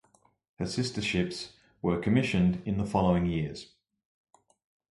Her sister ships were commissioned in the following years.